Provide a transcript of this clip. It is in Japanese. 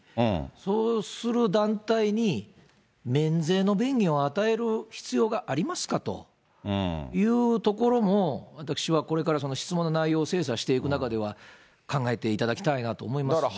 そうする団体に免税の便宜を与える必要がありますかというところも、私はこれから質問の内容を精査していく中では、考えていただきたいなと思いますね。